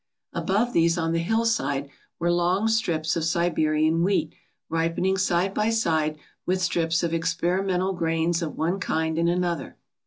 Above these on the hillside were long strips of Siberian wheat ripening side by side with strips of experimental grains of one kind and another.